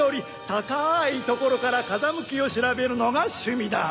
高い所から風向きを調べるのが趣味だ。